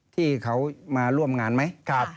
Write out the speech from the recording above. ที่เขามาร่วมงานไหม